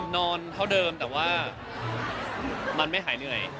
เท่าเดิมแต่ว่ามันไม่หายเหนื่อย